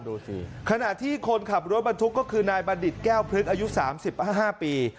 ดูสิขณะที่คนขับรถบรรทุกก็คือนายบัณฑิตแก้วพลึกอายุสามสิบห้าห้าปี